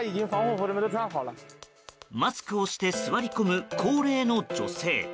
マスクをして座り込む高齢の女性。